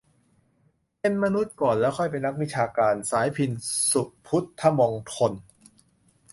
"เป็นมนุษย์ก่อน แล้วค่อยเป็นนักวิชาการ" - สายพิณ ศุพุทธมงคล